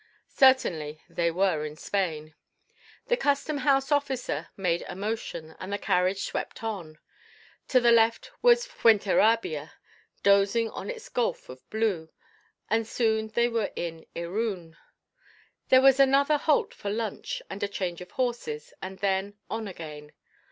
Certainly they were in Spain. The custom house officer made a motion, and the carriage swept on. To the left was Fuenterrabia, dozing on its gulf of blue, and soon they were in Irun. There was another halt for lunch and a change of horses, and then, on again.